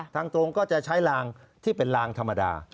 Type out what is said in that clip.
ทางตรงก็จะใช้ลางที่เป็นลางธรรมดา